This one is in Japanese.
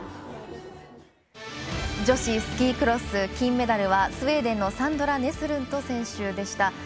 女子スキークロス金メダルはスウェーデンのサンドラ・ネスルント選手でした。